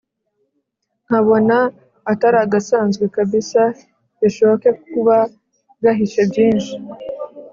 nkabona ataragasanzwe kabsa! bishoke kuba gahishe byinshi